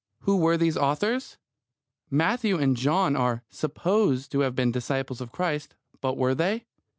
Who were these authors? Matthew and John are "supposed" to have been disciples of Christ; but were they?